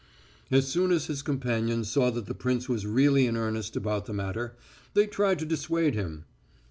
As soon as his companions saw that the prince was really in earnest about the matter, they tried to dissuade him.